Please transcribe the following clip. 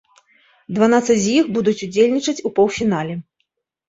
Дванаццаць з іх будуць удзельнічаць у паўфінале.